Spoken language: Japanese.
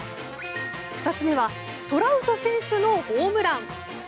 ２つ目はトラウト選手のホームラン。